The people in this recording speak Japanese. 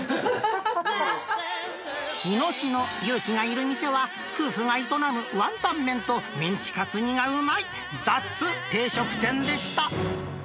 日野市の勇気がいる店は、夫婦が営むワンタンメンと、メンチカツがうまい、ザッツ定食店でした。